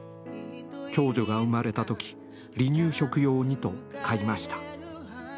長女が生まれた時離乳食用にと買いました。